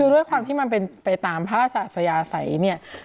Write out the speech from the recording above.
ด้วยความที่มันเป็นไปตามพระราชยาศัยเนี่ย